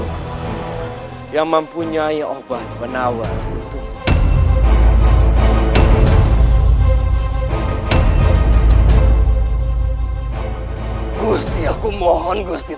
kau aku masih belum juga sembuh gusti